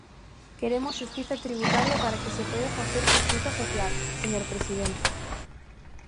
Queremos xustiza tributaria para que se poida facer xustiza social, señor presidente.